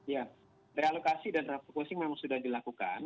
ya realokasi dan refocusing memang sudah dilakukan